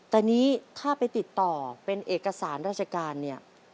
แต่นี้ถ้าไปติดต่อเป็นเอกสารราชการเนี่ย